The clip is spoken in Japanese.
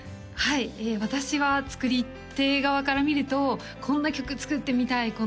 はい私は作り手側から見ると「こんな曲作ってみたい」